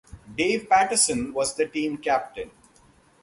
Dave Patterson was the team captain.